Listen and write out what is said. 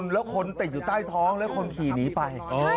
แล้วคนติดอยู่ใต้ท้องแล้วคนขี่หนีไป